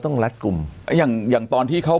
ต้องลัดกลุ่มอย่างตอนที่เขา